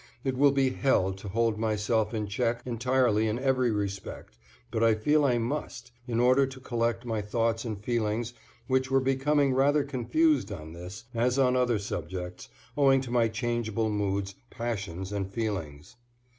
It will be hell to hold myself in check entirely in every respect, but I feel I must, in order to collect my thoughts and feelings which were becoming rather confused on this, as on other subjects, owing to my changeable moods, passions and feelings.